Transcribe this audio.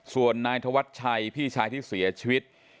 ส่วนนายธวัชชัยพี่ชายที่เสียชีวิต